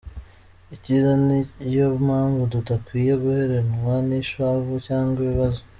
icyiza, niyo mpamvu tudakwiye guheranwa nishavu cyangwa ibibazo.